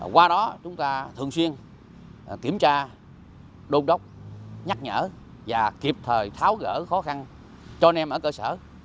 qua đó chúng ta thường xuyên kiểm tra đôn đốc nhắc nhở và kịp thời tháo gỡ khó khăn cho anh em ở cơ sở